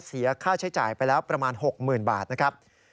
เสียค่าใช้จ่ายไปแล้วประมาณ๖๐๐๐บาทนะครับ